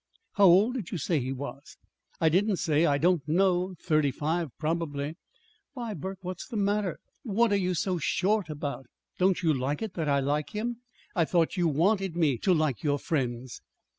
"How old did you say he was?" "I didn't say. I don't know. Thirty five, probably." "Why, Burke, what's the matter? What are you so short about? Don't you like it that I like him? I thought you wanted me to like your friends."